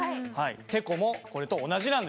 てこもこれと同じなんです。